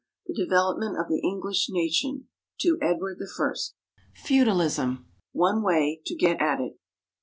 THE DEVELOPMENT OF THE ENGLISH NATION; TO EDWARD I. Feudalism: One Way to Get at It.